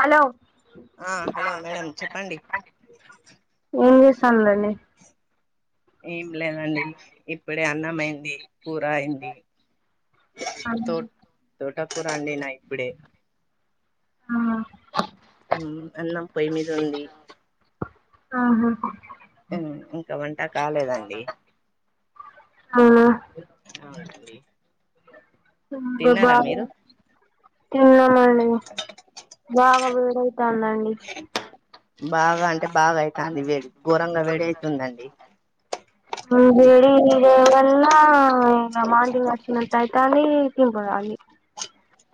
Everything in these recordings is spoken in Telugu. హలో ఆ హలో మేడం చెప్పండి ఏం చేస్తానరండీ ఏం లేదండి ఇప్పుడే అన్నం అయింది కూర అయింది తో తోట కూర అండి నా ఇప్పుడే ఊ అన్నం పొయ్యి మీద ఉంది ఆహా ఇంకా వంట కాలేదండి ఆ [unintelligible] అండి మీరు [unintelligible] తిన్నామండి బాగా వేడవుతుందండి బాగా అంటే బాగా అవుతుంది వేడి ఘోరంగా వేడి అవుతుందండి ఇ వేడి వేడన్న [unintelligible] [unintelligible]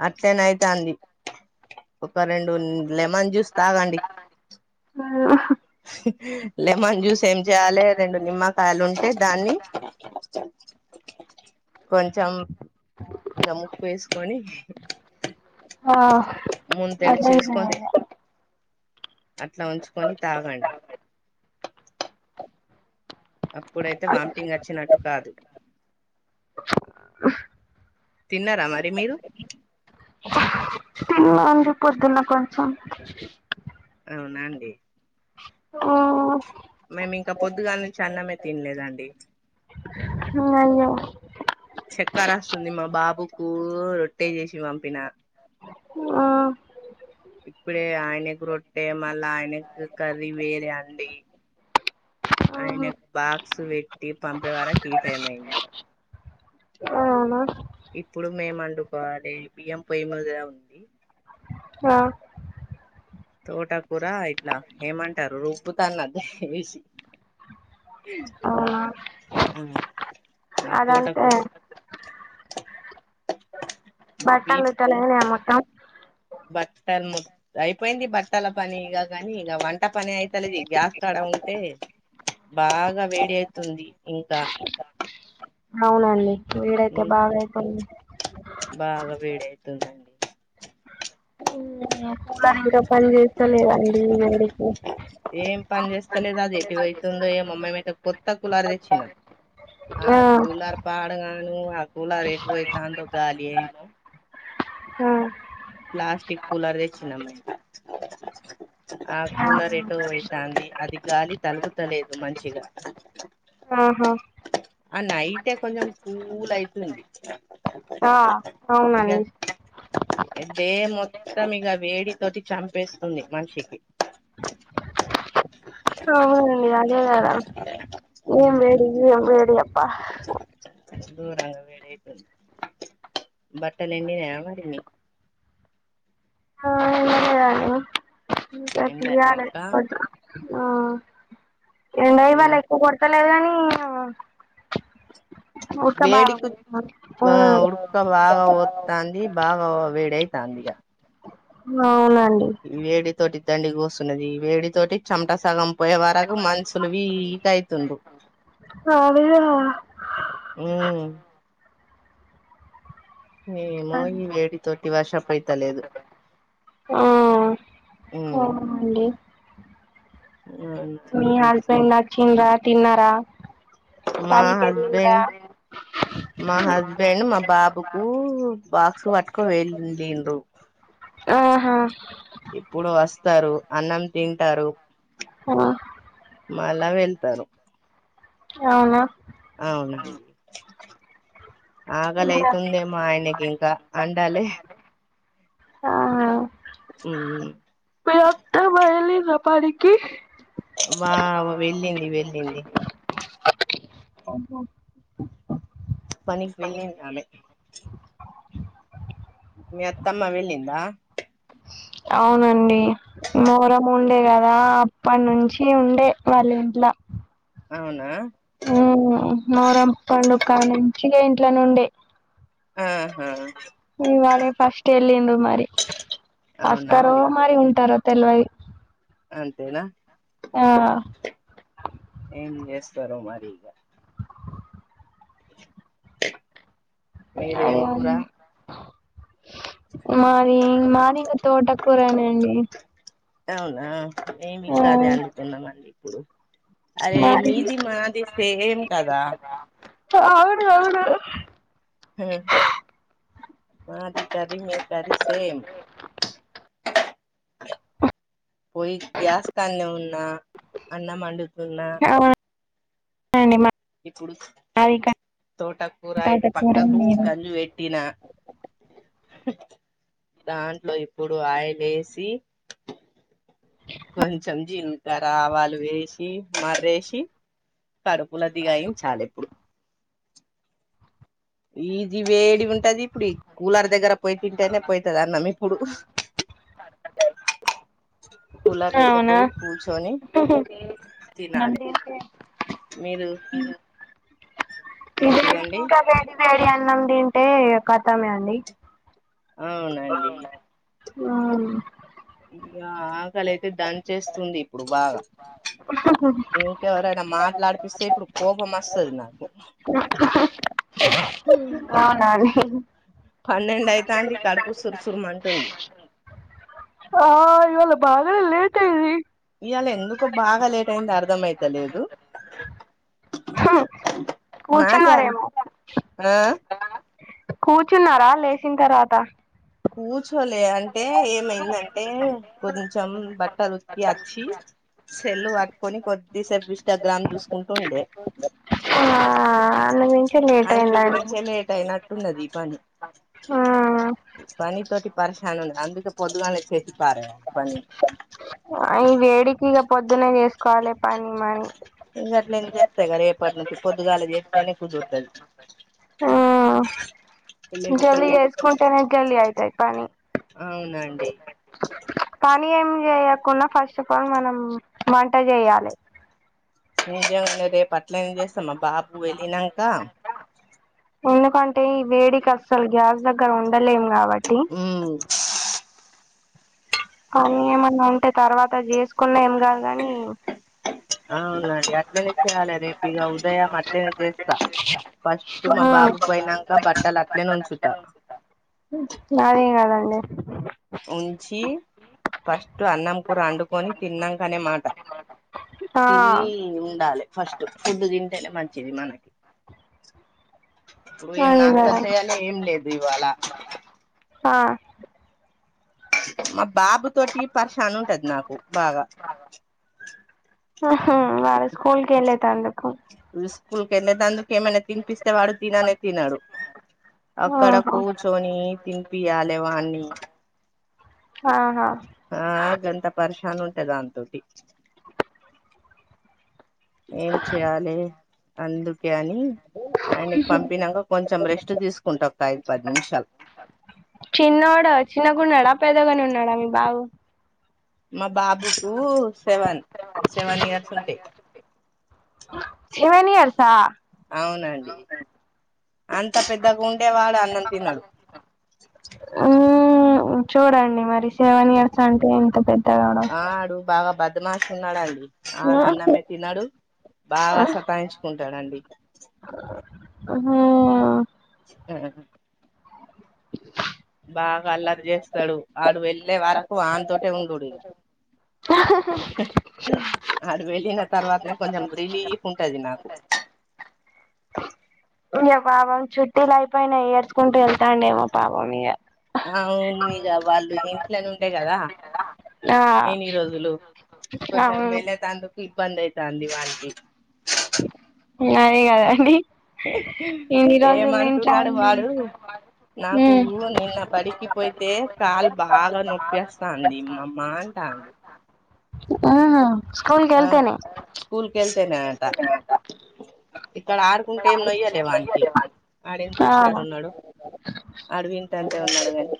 అట్లేనే అయిత అండి ఒక రెండు లెమన్ జ్యూస్ తాగండి అ లెమన్ జ్యూస్ ఏం చేయాలి రెండు నిమ్మకాయలు ఉంటే దాన్ని అే కొంచెం కొంచెం ఉప్పు వేసుకొని ఆ ముంతడు అదే చేసుకొని అట్లా ఉంచుకొని తాగండి అప్పుడైతే వామిటింగ్ వచ్చినట్టు కాదు తిన్నారా మరి మీరు తిన్నా అండి పొద్దున్న కొంచెం అవునా అండి ఆ మేము ఇంకా పొద్దుగాల నుంచి అన్నమే తినలేదండి అయ్యో చెక్కర వస్తుంది మా బాబుకు రొట్టే చేసి పంపిన ఆ ఇప్పుడే ఆయనకి రొట్టె మళ్ళీ ఆయనకి కర్రీ వేరే అండి ఆయన బాక్స్ పెట్టి పంపే వరకి ఈ టైం అయింది అవునా ఇప్పుడు మేము వండుకోవాలి బియ్యం పొయ్యి మీదగా ఉంది ఆ తోటకూర ఇట్లా ఏమంటారు రుబ్బతాన్నది ఏసి అవునా ఆ ఆ తోటకు అదంతే బట్టలుట్టలానే మొత్తం బక్కా మ్మి అయిపోయింది బట్టల పని ఇక కాని ఇక వంట పని అయితలేదు ఇ గ్యాస్ కాడ ఉంటే బాగా వేడి అవుతుంది ఇంకా మల్లండి వీడైతే బాగా అయిపోయింది బాగా వేడి అయితుందండి కులార్లు కూడ పని చేస్తలేవండి ఇ వేడికి ఏం పని చేస్తాలేదు అది ఎటువైతుందో ఏమో మేమైతే కొత్త కులార్ తెచ్చినాం. ఆ కూలారు పాడగాను ఆ కూలారు ఎటు పోయితందో గాలి ఏమో. హ ప్లాస్టీక్ కూలర్ తేచ్చినం మేం ఆ కూలర్ ఎటో అయితంది అది గాలి తలుగుతలేదు మంచిగా. ఆహా ఆ నైటే కొంచం కూల్ అయితుంది. ఆ ఇక అవునండి డే మొత్తం ఇక వేడి తోటి చంపేస్తుంది మనిషికి [inaudible] అవునండీ అదే కద ఏం లేదు ఏం లేదు అప్పా దూరలు వేడి అయిపొనవి బట్టలెండి న మరి మీ య ఎండలే ఇంకా [unintelligible] అ ఎండ ఇగ ఇవాళ మ ఎక్కువ కొడతలేదు గని వేడికు ఒక్కదాన్ని ఆ ఉడుక్క బాగా [unintelligible] పోత్తాంది బాగా వేడయితాందిగా అవునండి వేడి తోటి దండి కోస్తున్నది వేడి తోటి చమటా సగం పోయే వరకు మనుషులు వీక్ అయితుండ్రు అదే ఆ హుహ్మ్ ఏమో ఈ వేడి తోటి వర్షపయితలేదు ఆ ఉమ్ అవునండీ మీ అవునండి హస్బెండ్ వచ్చిండా తిన్నారా మా పనికి వెళ్ళిండ్రా హస్బెండ్ మా హస్బెండ్ మా బాబుకు బాక్స్ పట్టుకపో వెళ్ళిండ్రు. [inaudible] ఆహా ఇప్పుడు వస్తారు అన్నం తింటారు. ఆ మళ్ళా వెళ్తారు అవున అవునండి ఆకలైతుందేమ్ మా ఆయనకి ఇంకా అందలే ఊ మా అత్తమ్మ వెళ్లిందా పనికి మా వెళ్ళింది వెళ్ళింది ఆహా పనికి వెళ్ళిందామె మీ అత్తమ్మ వెళ్లిందా అవునండి మోహారం ఉండే కదా అప్పటి నుంచి ఉండే వాళ్ళ ఇంట్ల అవునా ఉమ్ మోహారం పండుగాకా నుంచిగ ఇంట్లోనే ఉండే ఆహా ఇవాళే ఫస్ట్ వెళ్ళిండు మరి అవునా వస్తారో అండి మరి ఉంటారో తెలవదు అంతేనా ఆ ఏం చేస్తారో మరిగా [inaudible] మీరు ఏం అదే కూర ఉంది మాది మార్నింగ్ తోట కూరనండి అవునా మేము ఇంక అదే అండుతున్నామండి ఇప్పుడు అరే మాది మీది మాది సేమ్ కదా అవును అవును హు మాది కర్రీ మీ కర్రీ సేమ్ పోయి గ్యాస్ కన్నె ఉన్నా అన్నం వండుతున్న అవునండి మాది ఇప్పుడు ఇక్కడ తోట కూర ఇటు తోటకూర పక్కకు నేను గంజు పెట్టిన దాంట్లో ఇప్పుడు ఆయిల్ ఏసీ కొంచెం జీలకర్ర ఆవాలు వేసి మర్రేసి కడుపులది గా దించాలి ఇప్పుడు ఈది వేడి ఉంటది ఇప్పుడు కూలర్ దగ్గర పోయి తింటేనే పోయితది అన్నం ఇప్పుడు కూలర్ దగ్గర అవునా పోయి కూర్చొని ఈ తినాలే మీరు ఈ వేడికి ఏంటిదండి ఇంకా వేడి వేడి అన్నాం తింటే ఖతమే అండి అవునండి ఆ ఆ ఆకలి అయితే దన్ చేస్తుంది ఇప్పుడు బాగా హహ ఇంకేవరైనా మాట్లాడిపిస్తే ఇప్పుడు కోపం వస్తది నాకు అవునా అండి పన్నెండు అయితాంది కడుపు సురుసురుమంటుంది ఆ ఇవాళ బాగానే లేట్ అయింది ఇవాళ ఎందుకో బాగా లేట్ అయింది అర్ధ అయిత లేదు నాకే కూర్చున్నారేమో ఆ కూర్చున్నారా లేచిన తర్వాత కూర్చోలే అంటే ఏమైందంటే కొంచెం బట్టలు ఉత్కి వచ్చి సేల్లు పట్టుకొని కొద్ది సేపు ఇస్టాగ్రామ్ చూసు కుంటుండే ఆ అందు మించి లేట్ అందు అయిందండి గురించే లేట్ అయినట్ ఉన్నది పని ఉమ్ పని తోటి పరేషాన్ ఉండే అందుకే పొద్దుగాలనే చేసి పారేయాలె పని ఆ ఈ వేడికి ఇక పొద్దున్నే చేసుకోవాలి పని మని ఇంక అట్లే నువ్వు చేస్తా కదా రేపటి నుంచి పొద్దుగాలు చేస్తతేనే కుదురుతది ఆ జల్ద్ చేస్కుంటనే జల్లి అయితయి పని అవునండి పని ఏం చేయకుండా ఫస్ట్ ఆఫ్ ఆల్ మనం వంట చేయాలే నిజంగానే రేపు అట్లం చేస్తాం మా బాబు వెళ్ళినాంక ఎందుకంటే ఈ వేడికి అస్సలు గ్యాస్ దగ్గర ఉండలేం కాబట్టి ఉమ్ కానీ ఏమన్నా అంటే తర్వాత చేసుకున్నా ఏం కాదుగాని అవునండి అట్లనే చేయ్యాలి రేపు ఇక ఉదయం అట్లేనే చేస్తా ఫస్ట్ మా బాబు పోయినాక బట్టలు అట్లేనే ఉంచుతా సరే ఎం కాదు వుంచి ఫస్ట్ అన్నం కూర వండుకొని తిన్నాక అనేమాట ఆ తిని ఉండాలే ఫస్ట్ ఫుడ్ తింటేనే మంచిది మనకి ఇప్పుడు ఏం అదే నాష్టా కదా చేయలో ఏం లేదు ఇవాళ్ళ ఆ మా బాబు తోటి పరేషన్ ఉంటది నాకు బాగా ఆహా వాళ్ళు స్కూల్ కి వెళ్ళేటి అందుకు స్కూల్ కి వెళ్ళేటి అందుకు ఏమైనా తినిపిస్తే వాడు తిననే తినడు అక్కడ ఆహా కూర్చొని తినిపియాలి వాన్ని ఆహా ఆ గంత పరేషాన్ ఉంటేది దాంతోటి ఏం చెయ్యాలి అందుకే అని ఆయనకి పంపినాక కొంచెం రెస్ట్ తీసుకుంటా ఒక ఐదు పది నిమిషాల్ చిన్నోడు చిన్నగాన్నాడా పెద్దగానే ఉన్నాడా మీ బాబు మా బాబుకు సెవెన్ సెవెన్ ఇయర్స్ ఉంటాయి సెవెన్ ఇయర్స్ ఆ అవునండి అంత పెద్దగా ఉండేవాడు అన్నం తినడు ఉమ్ చూడండి మరి సెవెన్ ఇయర్స్ అంటే ఎంత పెద్దవాడో ఆడు బాగా బద్మాష్ ఉన్నాడుండి ఆడు అన్నమే తిన్నాడు బాగా సతాయించుకుంటాడండి ఆహ చ ఆ బాగా అల్లరి చేస్తాడు వాడు వెళ్ళే వరకు ఆనితోటే ఉండడు ఇక ఆడు వెళ్ళిన తర్వాత నే కొంచెం రిలీఫ్ ఉంటది నాకు ఇంక పాపం చుట్టలు అయిపోయినాయి ఏడ్చుకుంటూ వెళ్తాండేమో పాపం ఇక అ అవును ఇక వాళ్ళు ఇంట్లోనే ఉండేయి కదా ఆ ఎన్ని రోజులు కొంచెం అవును వెళ్ళే తందుకు ఇబ్బంది అవుతుంది వాళ్ళకి అదే కదండి ఎన్ని రోజులు ఇంట్లో ఏమంటున్నాడు ఉండి వాడు నాకు ఉమ్ నిన్న బడికి పోతే కాలు బాగా నొప్పేస్తా అంది మా మా అంటాడు ఆహా స్కూల్ కెళ్తేనే స్కూల్కెళ్తనే అటా ఇక్కడ ఆడుకుంటే ఏం నొయ్యలే వానికి ఆడు ఎంత ఆ ఉశారు ఉన్నడు. ఆడువింతంతే ఉన్నడు కని.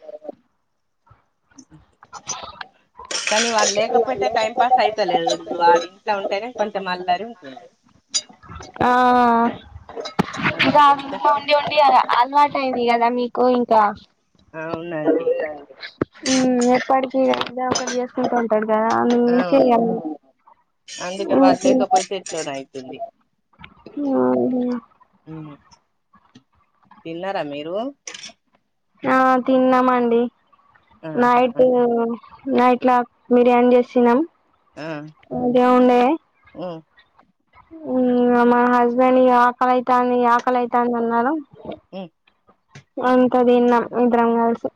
కానీ వాళ్ళు లేకపోతే టైం పాస్ అయితలేదు. వాళ్ళు ఇంట్ల ఉంటనే కొంచెం అళ్లరి ఉంటుంది. ఆ ఇగ వాడి ఇంట్లో అంత ఉం డి అలవాటు అయింది కదా మీకు ఇంకా. అవునండి. ఎప్పటికిీ ఇగ ఎదో ఒకటి చేస్ కుంటు ఉంటడు కదా అందు గురించి [inaudible] అవును [inaudible] అయితుంది. ఆ అండి. తిన్నరా మీరు? ఆ తిన్నమండి. ఆహా. నైటు నైట్లా బిర్యానీ చేశినం. ఆ ఉ మా హస్బెండ్ ఇగ ఆకలైతాంది, ఆకలైతాంది అన్నరు. హ్ అంత తిన్నాం ఇద్దరం కలిసి.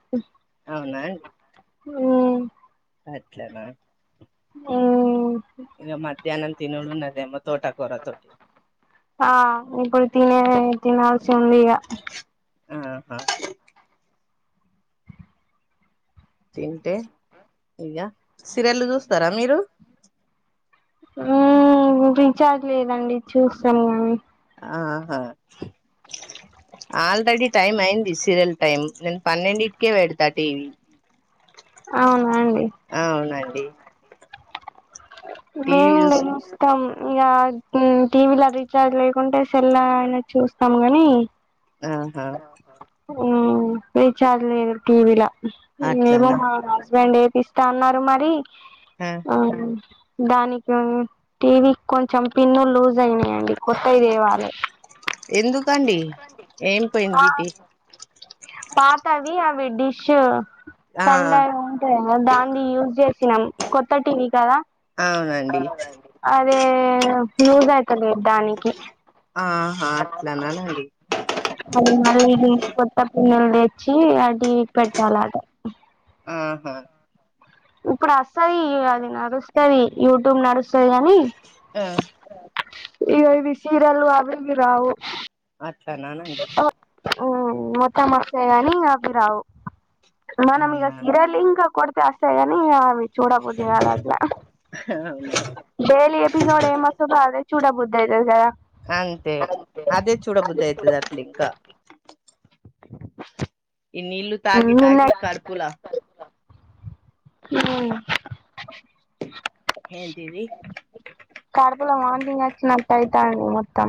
అవునా అండి. ఉ అట్లనా హ్ ఇగ మధ్యాహ్నం తినుడు ఉన్నదేమో తోటకూర తోటి. ఆ ఇప్పుడు తినలే, తినాల్సింది ఇగా. ఆహా సీరియల్లు చూస్తరా మీరు? రీచార్జ్ లేదండి చూస్తాం కానీ. ఆహా ఆల్రెడీ టైం అయింది సీరియల్ టైం, నేను పన్నెండింటికే పెడతా టీవీ. అవునా అండి. అవునండి. టీవీ మేం చూస్ [inaudible] మొత్తం ఇగ టీవీ లా రీచార్జ్ లేకుంటే సెల్లా అయిన చూస్తం కని. ఆహా ఆ ఉ రిచార్జ్ లేదు టీవిలా. ఏమో అట్లానా మా హస్బెండ్ ఏపిస్తా అన్నరు మరి. ఆ దానికి టీవీ కొంచెం పిన్ను లూజ్ అయినయండి కొత్తయి తేవాలే. ఎందుకండి? ఏంపోయింది టి పాతవి అవి డిష్ ఆ సండె [inaudible] ఉంటయికదా దాన్ది యూజ్ చేసినం కొత్త టీవీ కదా అవునండి. అదే ఫ్యూజ్ అయితలేదు దానికి. ఆహా అట్లానానండి. అది మళ్ళీ కొత్త పిన్నెలు తెచ్చి అది పెట్టాల ఆట ఆహా ఇప్పుడు వస్తుది అది నడుస్తుది యూట్యూబ్ నడుస్తుది అని హ్ ఇక ఇవి సీరలు అవి రావు అట్లనా అండి ఉ మొత్తం మసయని అవీరావు మనంగ అవునా సిరలింకా కొడ్ అస్తేగానీ చూడ బద్ది కాదాట్లా అవును డైలీ ఎపిసోడ్ ఏమొస్తుందొ అదే చూడ బుద్ధ అయితే కద అంత అదే చూడ బుద్ది అయితది దలిక్క ఈ నీళ్ళ తాగి తాగి కర్పులా హ్మ్మ్ ఏందిది కడపలో వాంతింగ్ వచ్చినట్టు అయితడి మొత్తం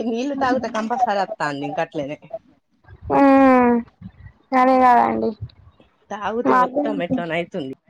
ఇన్ ఇల్లు తాగుతే కంపల్సరి అతా నిన్ కట్లనే ఉహూ అదే కాదండి తాగుదే ఒత్తం మేంట్లోడ్ని అవ్త